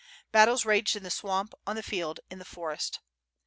Battles raged in the swamp, on the field, in the forest.